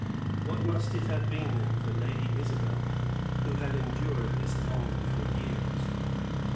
What must it have been then, for Lady Isabel, who had endured this longing for years?